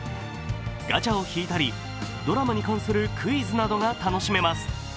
ガチャを引いたりドラマに関するクイズなどが楽しめます。